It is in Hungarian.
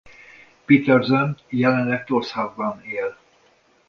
Petersen Jelenleg Tórshavnban él.